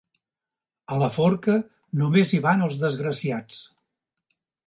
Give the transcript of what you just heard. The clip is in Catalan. A la forca només hi van els desgraciats.